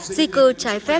di cư trái phép